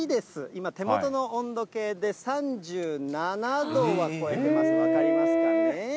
今、手元の温度計で３７度は超えてます、分かりますかね。